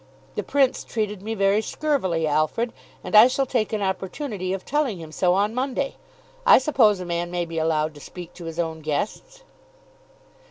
The Prince treated me very scurvily, Alfred, and I shall take an opportunity of telling him so on Monday. I suppose a man may be allowed to speak to his own guests."